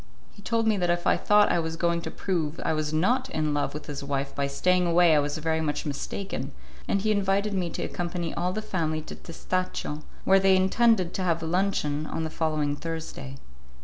He told me that if I thought I was going to prove I was not in love with his wife by staying away I was very much mistaken, and he invited me to accompany all the family to Testaccio, where they intended to have luncheon on the following Thursday.